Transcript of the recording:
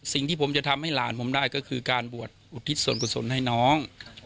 สิ่งที่ผมจะทำให้หลานผมได้ก็คือการบวชอุทิศส่วนกุศลให้น้อง